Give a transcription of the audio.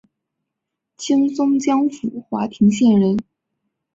清松江府华亭县人。